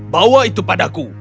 bawa itu padaku